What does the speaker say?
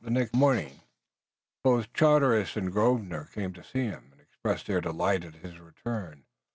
The next morning, both Charteris and Grosvenor came to see him and expressed their delight at his return.